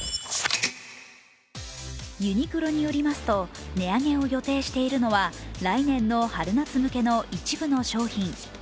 ユニクロによりますと値上げを予定しているのは、来年の春夏向けの一部の商品。